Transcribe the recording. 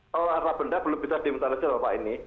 kalau harta benda belum bisa diminta pak ini